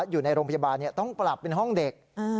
อยู่ในโรงพยาบาลต้องปรับเป็นห้องเด็ก